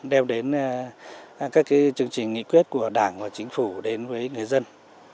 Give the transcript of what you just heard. đem đến các chương trình nghị quyết của đảng và chính phủ đến với người dân